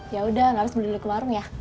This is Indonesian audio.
ya udah enggak harus beli beli ke warung ya